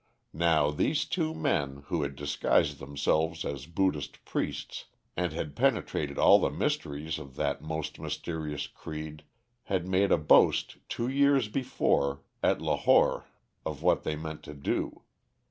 "Now, these two men, who had disguised themselves as Buddhist priests and had penetrated all the mysteries of that most mysterious creed, had made a boast two years before at Lahore of what they meant to do.